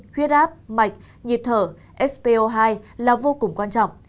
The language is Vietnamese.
huyết áp mạch nhịp thở spo hai là vô cùng quan trọng